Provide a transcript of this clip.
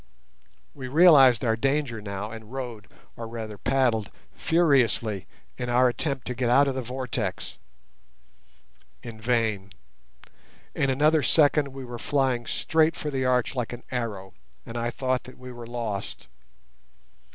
We realised our danger now and rowed, or rather paddled, furiously in our attempt to get out of the vortex. In vain; in another second we were flying straight for the arch like an arrow, and I thought that we were lost.